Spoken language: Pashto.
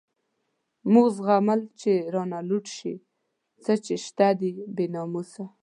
موږ زغمل چی رانه لوټ شی، څه چی شته دی بی ناموسه